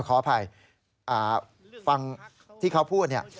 ขออภัยฟังที่เขาพูดเนี่ย